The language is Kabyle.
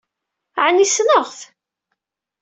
Ɛni ssneɣ-t?